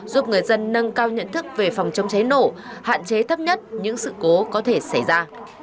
giúp người dân nâng cao nhận thức về phòng chống cháy nổ hạn chế thấp nhất những sự cố có thể xảy ra